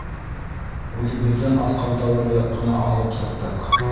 — Үҙебеҙҙән артҡан тауарҙы ғына алып сыҡтыҡ.